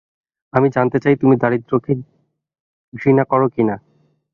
আমি জানতে চাই তুমি দারিদ্র্যকে ঘৃণা কর কি না।